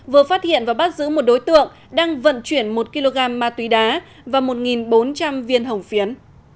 vừa phát hiện và bắt giữ một đối tượng đang vận chuyển một kg ma túy đá và một bốn trăm linh viên hồng phiến